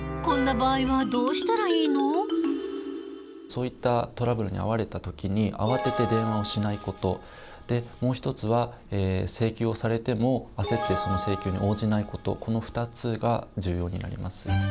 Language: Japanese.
そういったトラブルに遭われた時にあわてて電話をしないこともう一つは請求をされてもあせってその請求に応じないことこの２つが重要になります。